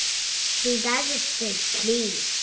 HE doesn't say "Please."